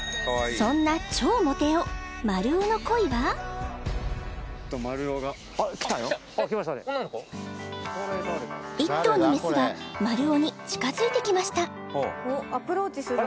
そんなマルオが１頭のメスがマルオに近づいてきました